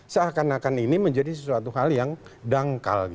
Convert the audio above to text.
seakan akan ini menjadi sesuatu hal yang dangkal